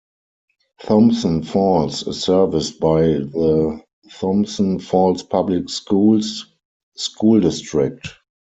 Thompson Falls is served by the Thompson Falls Public Schools School District.